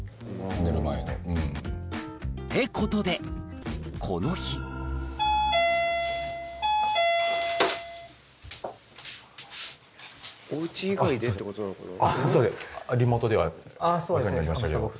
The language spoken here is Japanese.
寝る前の。ってことでこの日リモートではお世話になりましたけど。